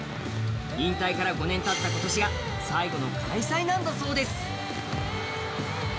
引退から５年たった今年が最後の開催なんだそうです。